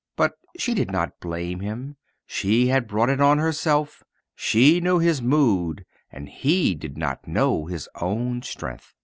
But she did not blame him; she had brought it on herself; she knew his mood and he did not know his own strength."